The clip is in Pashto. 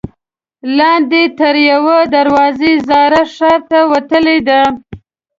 لاندې ترې یوه دروازه زاړه ښار ته وتلې ده.